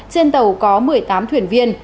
trên tàu có một mươi tám tàu cá